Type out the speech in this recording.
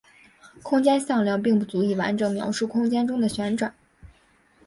空间向量并不足以完整描述空间中的旋转。